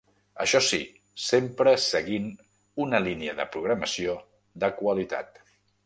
Això sí, sempre seguint una línia de programació de qualitat.